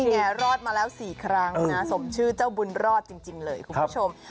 ไงรอดมาแล้ว๔ครั้งนะสมชื่อเจ้าบุญรอดจริงเลยคุณผู้ชม